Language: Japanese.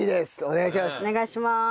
お願いします。